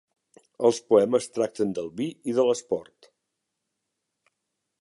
Els poemes tracten del vi i de l'esport.